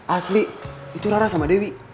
asli itu rara sama dewi